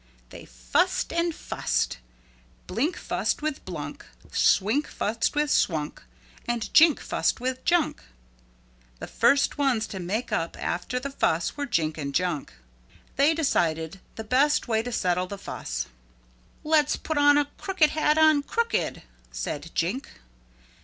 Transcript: They fussed and fussed. Blink fussed with Blunk, Swink fussed with Swunk, and Jink fussed with Junk. The first ones to make up after the fuss were Jink and Junk. They decided the best way to settle the fuss. "Let's put a crooked hat on crooked," said Jink.